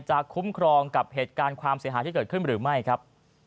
คุ้มครองกับเหตุการณ์ความเสียหายที่เกิดขึ้นหรือไม่ครับ